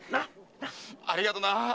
ありがとな！